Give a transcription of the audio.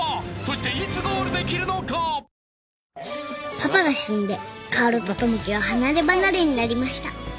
［パパが死んで薫と友樹は離れ離れになりました］